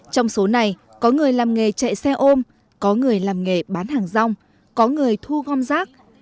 trong số này có người làm nghề chạy xe ôm có người làm nghề bán hàng rong có người thu gom rác